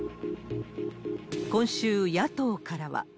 今週、野党からは。